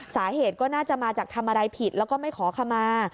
สาเหตุก็น่าจะมาจากทำอะไรผิดแล้วก็ไม่ขอขมา